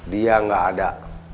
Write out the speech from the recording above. dia enggak ada